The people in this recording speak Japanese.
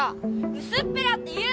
「うすっぺら」って言うな！